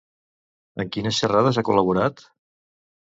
En quines xerrades ha col·laborat?